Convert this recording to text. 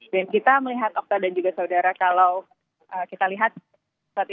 dan kita melihat okta dan juga saudara kalau kita lihat saat ini